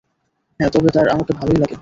হ্যাঁ তবে তার আমাকে ভালোই লাগে।